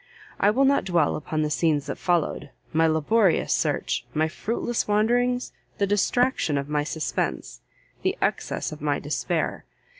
"I will not dwell upon the scenes that followed, my laborious search, my fruitless wanderings, the distraction of my suspense, the excess of my despair!